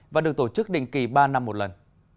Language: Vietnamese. và được tổ chức định kỳ ba năm một lần